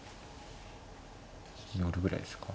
寄るぐらいですか。